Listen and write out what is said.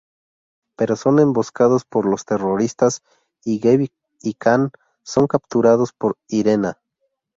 Pero son emboscados por los terroristas y Gabe y Kan son capturados por Irena.